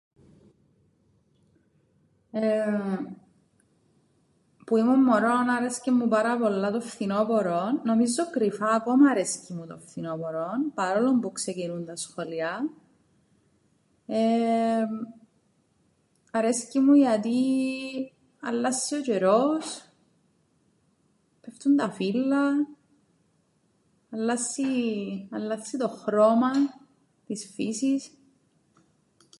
Εμ που ήμουν μωρόν άρεσκεν μου πάρα πολλά το φθινόπωρον, νομίζω κρυφά ακόμα αρέσκει μου το φθινόπωρον, παρόλον που ξεκινούν τα σχολεία, εμ αρέσκει μου γιατί αλλάσσει ο τζ̆αιρός, ππέφτουν τα φύλλα αλλάσσει... αλλάσσει το χρώμαν της φύσης.